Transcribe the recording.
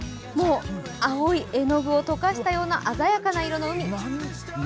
青い絵の具を溶かしたような鮮やかな色の海。